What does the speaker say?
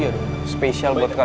yang penuh kegempinan